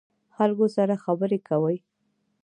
خلکو سره خبرې کوئ؟